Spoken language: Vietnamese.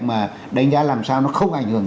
mà đánh giá làm sao nó không ảnh hưởng